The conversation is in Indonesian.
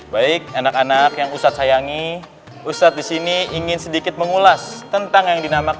baik anak anak yang ustadz sayangi ustadz disini ingin sedikit mengulas tentang yang dinamakan